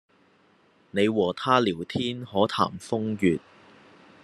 你和他聊天可談風月